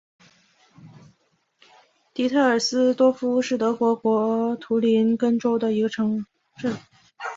迪特尔斯多夫是德国图林根州的一个市镇。